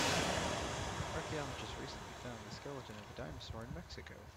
Archaeologists recently found the skeleton of a dinosaur in Mexico.